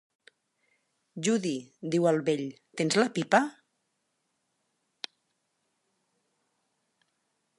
"Judy", diu el vell, "tens la pipa?"